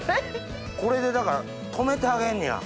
これでだから止めてあげんねや。